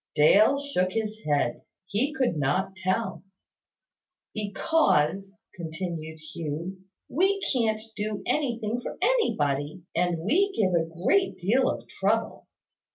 Dale shook his head. He could not tell. "Because," continued Hugh, "we can't do anything for anybody, and we give a great deal of trouble.